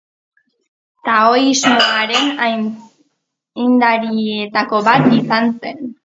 Taoismoaren aitzindarietako bat izan zen.